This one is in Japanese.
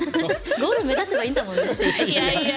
ゴールを目指せばいいんだもん。